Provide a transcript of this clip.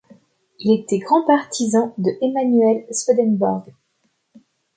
Il était grand partisan de Emanuel Swedenborg.